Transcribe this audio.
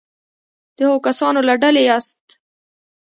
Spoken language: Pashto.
د هغو کسانو له ډلې یاست.